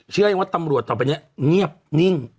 เชื่อว่าตำรวจต่อไปเนี่ยเงียบนิ่ง